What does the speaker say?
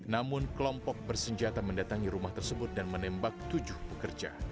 namun kelompok bersenjata mendatangi rumah tersebut dan menembak tujuh pekerja